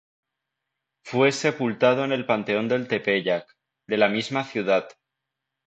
Fue sepultado en el Panteón del Tepeyac, de la misma ciudad.